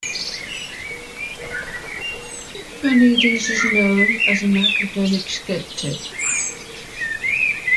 Carneades is known as an Academic skeptic.